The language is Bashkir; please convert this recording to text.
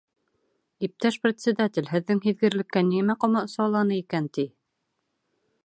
Иптәш председатель, һеҙҙең һиҙгерлеккә нимә ҡамасауланы икән, ти.